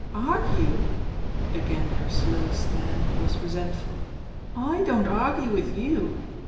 "Argue?" Again her slow stare was resent ful. ^'I don't argue with you.